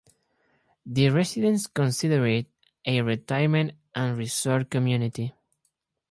The residents consider it a retirement and resort community.